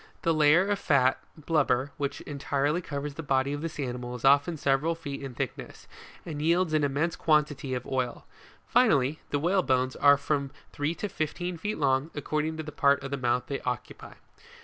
The layer of fat (blubber) which entirely covers the body of this animal is often several feet in thickness, and yields an immense quantity of oil ; finally, the whalebones are from three to fifteen feet long, according to the part of the mouth they occupy.